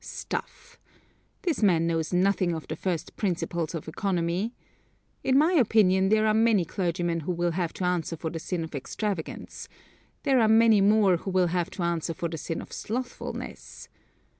Stuff! this man knows nothing of the first principles of economy. In my opinion, there are many clergymen who will have to answer for the sin of extravigance: There are many more who will have to answer for the sin of slothfulness.